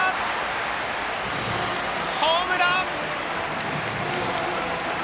ホームラン！